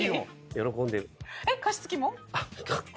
喜んでる。